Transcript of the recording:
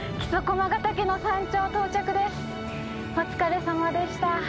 お疲れさまでした。